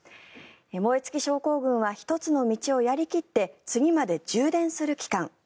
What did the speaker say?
燃え尽き症候群は１つの道をやり切って次まで充電する期間